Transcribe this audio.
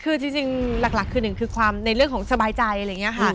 คือจริงหลักคือหนึ่งคือความในเรื่องของสบายใจอะไรอย่างนี้ค่ะ